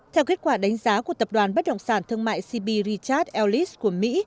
theo kết quả đánh giá của tập đoàn bất động sản thương mại cb richard ellis của mỹ